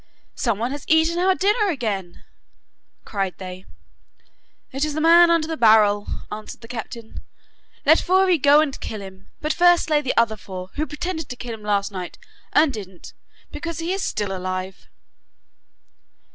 'Someone has eaten our dinner again,' cried they. 'It is the man under the barrel,' answered the captain. 'Let four of you go and kill him, but first slay the other four who pretended to kill him last night and didn't because he is still alive.